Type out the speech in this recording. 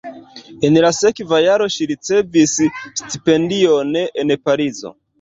En la sekva jaro ŝi ricevis stipendion en Parizo.